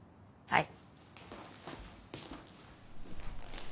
はい。